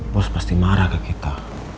bos pasti marah ke kita